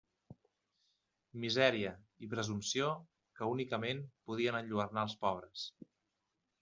Misèria i presumpció que únicament podien enlluernar els pobres!